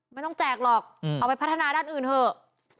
แจกหรอกเอาไปพัฒนาด้านอื่นเถอะ